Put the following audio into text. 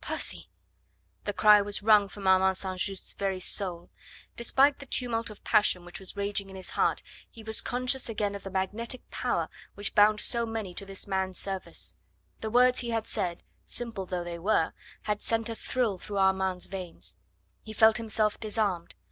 "Percy!" The cry was wrung from Armand St. Just's very soul. Despite the tumult of passion which was raging in his heart, he was conscious again of the magnetic power which bound so many to this man's service. The words he had said simple though they were had sent a thrill through Armand's veins. He felt himself disarmed.